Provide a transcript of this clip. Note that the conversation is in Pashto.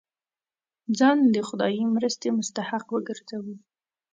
ځان د خدايي مرستې مستحق وګرځوو.